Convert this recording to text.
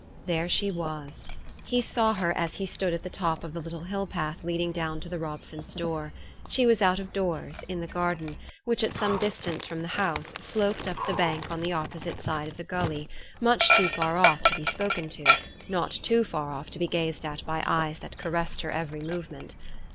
There she was! He saw her as he stood at the top of the little hill path leading down to the Robsons' door. She was out of doors, in the garden, which, at some distance from the house, sloped up the bank on the opposite side of the gully; much too far off to be spoken to not too far off to be gazed at by eyes that caressed her every movement.